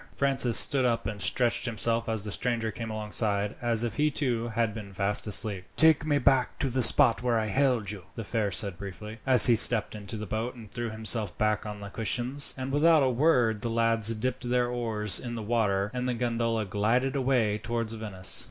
Francis stood up and stretched himself as the stranger came alongside, as if he too had been fast asleep. "Take me back to the spot where I hailed you," the fare said briefly, as he stepped into the boat and threw himself back on the cushions, and without a word the lads dipped their oars in the water and the gondola glided away towards Venice.